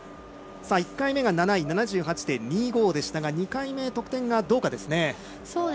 １回目が７位７８．２５でしたが２回目、得点がどうかですね。